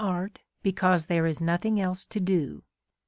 art because there is nothing else to do."